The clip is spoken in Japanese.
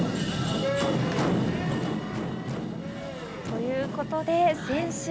ということで、先週、